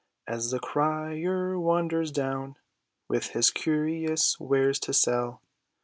As the crier wanders down With his curious wares to sell.